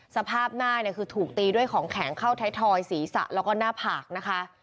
สภาพหน้าเนี่ยคือถูกตีด้วยของแข็งเข้าไทยทอยศีรษะแล้วก็หน้าผากนะคะ